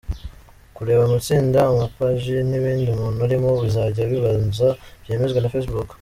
Kureba amatsinda, amapaji n’ibindi umuntu arimo bizajya bibanza byemezwe na Facebook.